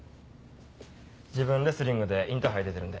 自分レスリングでインターハイ出てるんで。